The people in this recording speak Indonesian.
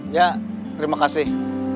ya terima kasih